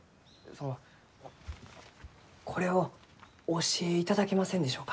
そのこれをお教えいただけませんでしょうか？